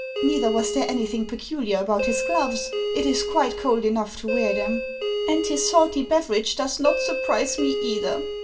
Neither was there any thing peculiar about his gloves ; it is quite cold enough to wear them ; and his salty beverage does not surprise me either.